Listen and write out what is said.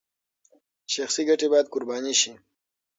شخصي ګټې باید قربان شي.